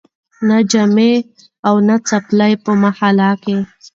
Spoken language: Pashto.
نه جامې او نه څپلۍ په محله کي